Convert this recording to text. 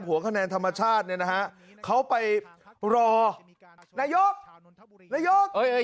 หัวขนาดธรรมชาติเนี้ยนะฮะเขาไปรอนายกนายกเฮ้ยเฮ้ย